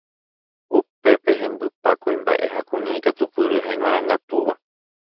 Upépe hembypa kuimba'e ha kuña ikatupyry ha imarangatúva